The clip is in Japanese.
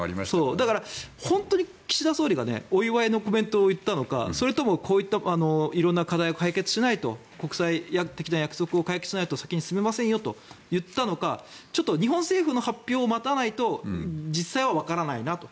だから本当に岸田総理がお祝いのコメントを言ったのかそれともこういった色んな課題を解決しないと国際的な約束を解決しないと先に進めませんと言ったのか日本政府の発表を待たないと実際はわからないなと。